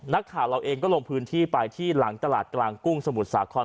นักข่าวเราเองก็ลงพื้นที่ไปที่หลังตลาดกลางกุ้งสมุทรสาคร